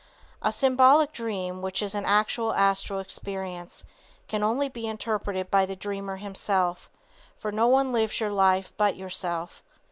A symbolic dream, which is an actual astral experience, can only be interpreted by the dreamer himself, for no one lives your life but yourself.